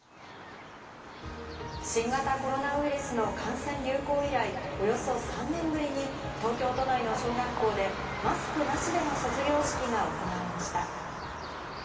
新型コロナウイルスの感染流行以来、およそ３年ぶりに東京都内の小学校でマスクなしでの卒業式が行われました。